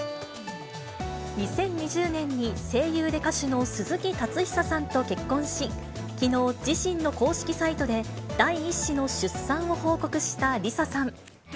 ２０２０年に声優で歌手の鈴木達央さんと結婚し、きのう、自身の公式サイトで第１子の出産を報告したＬｉＳＡさん。